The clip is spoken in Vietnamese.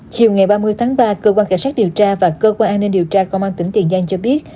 chiều ngày ba mươi tháng ba cơ quan cảnh sát điều tra và cơ quan an ninh điều tra công an tỉnh tiền giang cho biết